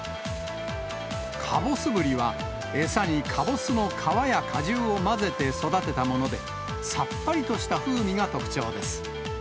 かぼすブリは、餌にかぼすの皮や果汁を混ぜて育てたもので、さっぱりとした風味が特長です。